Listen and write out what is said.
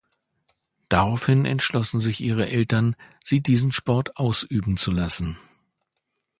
Daraufhin entschlossen sich ihre Eltern, sie diesen Sport ausüben zu lassen.